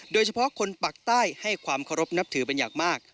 โดยเฉพาะคนปากใต้ให้ความเคารพนับถือเป็นอย่างมาก